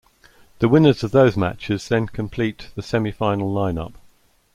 The winners of those matches then complete the semi-final line up.